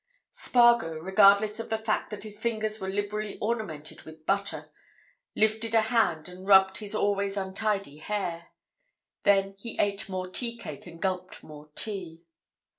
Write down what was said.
Spargo, regardless of the fact that his fingers were liberally ornamented with butter, lifted a hand and rubbed his always untidy hair. Then he ate more tea cake and gulped more tea.